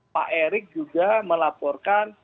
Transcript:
pak erick juga melaporkan